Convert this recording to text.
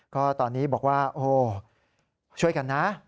ก็ตอนนี้บอกว่าโอ้ช่วยกันนะ